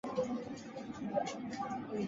挑战者所得的奖金会累积计算。